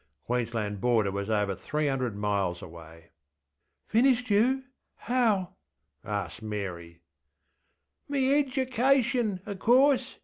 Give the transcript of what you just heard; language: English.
ŌĆÖ (Queensland border was over three hundred miles away.) ŌĆśFinished you? How? ŌĆÖ asked Mary. ŌĆśMe edgercation, of course!